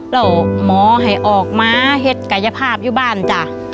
แล้วหมอให้ออกมาเห็นกายภาพอยู่บ้านจ้ะ